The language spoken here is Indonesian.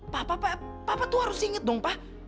papa papa tuh harus inget dong pak